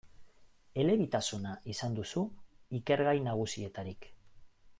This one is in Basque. Elebitasuna izan duzu ikergai nagusietarik.